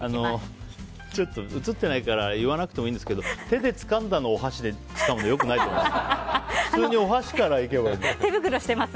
ちょっと映ってないから言わなくてもいいんですけど手でつかんだのをお箸でつかむの良くないと思います。